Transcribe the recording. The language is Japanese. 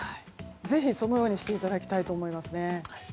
ぜひ、そのようにしていただきたいと思いますね。